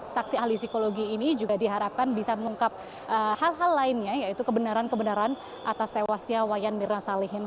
saksi ahli psikologi ini juga diharapkan bisa mengungkap hal hal lainnya yaitu kebenaran kebenaran atas tewasnya wayan mirna salihin